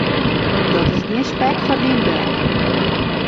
Dat is gjin spek foar dyn bek.